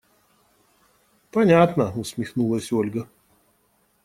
Понятно! – усмехнулась Ольга.